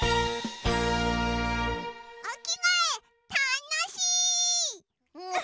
おきがえたのしい！